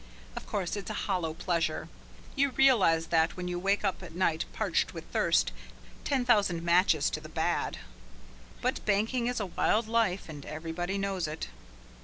Of course it's a hollow pleasure. You realize that when you wake up at night parched with thirst, ten thousand matches to the bad. But banking is a wild life and everybody knows it.